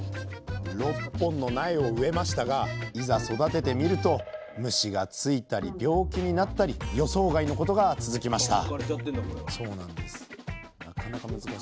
６本の苗を植えましたがいざ育ててみると虫がついたり病気になったり予想外のことが続きました